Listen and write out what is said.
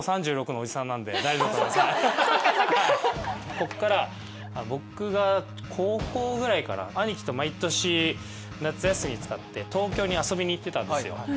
こっから僕が高校ぐらいから兄貴と毎年夏休み使って東京に遊びに行ってたんですよ。